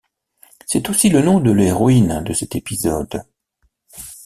C'est aussi le nom de l'héroïne de cet épisode.